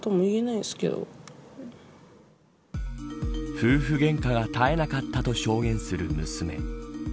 夫婦げんかが絶えなかったと証言する娘。